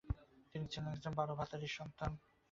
অনেক দিন শচীশ ইহার স্পষ্ট কোনো প্রতিবাদ করে নাই।